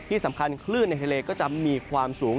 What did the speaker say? ที่สำคัญคลื่นในทะเลก็จะมีความสูง